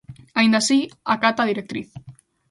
Aínda así, acata a directriz.